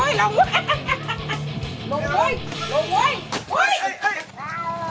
โอ้ยหลงไว้หลงไว้หลงไว้หลงไว้